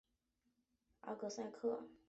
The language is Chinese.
阿格萨克。